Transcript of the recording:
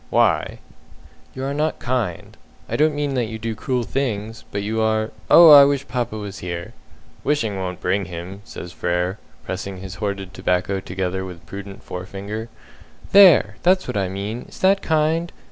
"Why?" "You are not kind. I don't mean that you do cruel things; but you are oh, I wish papa was here!" "Wishing won't bring him!" says Frere, pressing his hoarded tobacco together with prudent forefinger. "There! That's what I mean! Is that kind?